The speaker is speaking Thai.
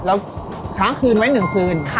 แล้วค้างคืนไว้หนึ่งคืน